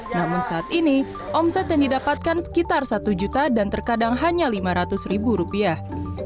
namun saat ini omset yang didapatkan sekitar satu juta dan terkadang hanya lima ratus ribu rupiah